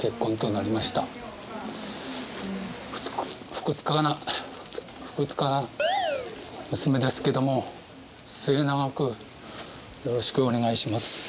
ふくつかなふくつかな娘ですけども末永くよろしくお願いします。